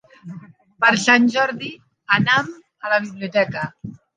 Per Sant Jordi anam a la biblioteca.